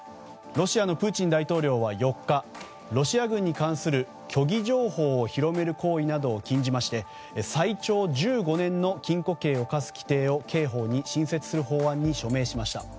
ロシアのプーチン大統領は４日ロシア軍に関する虚偽情報を広める法案を決定し最長１５年の禁錮刑を科す規定を刑法に新設する法案に署名しました。